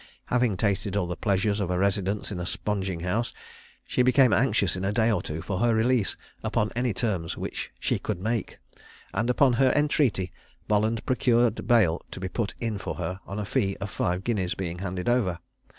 Having tasted all the pleasures of a residence in a sponging house, she became anxious in a day or two for her release upon any terms which she could make; and, upon her entreaty, Bolland procured bail to be put in for her on a fee of five guineas being handed over.